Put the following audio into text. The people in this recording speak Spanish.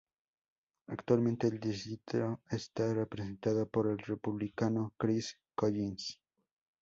Actualmente el distrito está representado por el Republicano Chris Collins.